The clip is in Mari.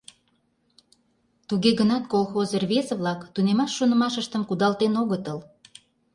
Туге гынат колхоз рвезе-влак тунемаш шонымыштым кудалтен огытыл.